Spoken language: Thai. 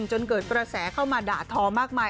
จนเกิดกระแสเข้ามาด่าทอมากมาย